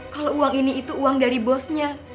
kalau uang ini itu uang dari bosnya